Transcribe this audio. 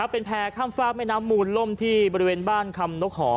เป็นแพร่ข้ามฝากแม่น้ำมูลล่มที่บริเวณบ้านคำนกหอ